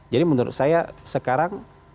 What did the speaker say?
jadi menurut saya sekarang